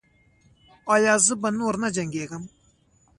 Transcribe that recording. ایا زه به نور نه جنګیږم؟